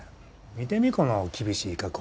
見てみこの厳しい加工。